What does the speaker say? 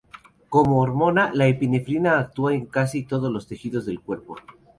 Como hormona, la epinefrina actúa en casi todos los tejidos del cuerpo.